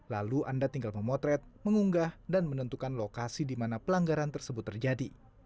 lalu anda tinggal memotret mengunggah dan menentukan lokasi di mana pelanggaran tersebut terjadi